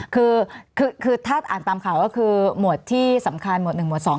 คือถ้าอ่านตามข่าวก็คือหมวดที่สำคัญหมวด๑หวด๒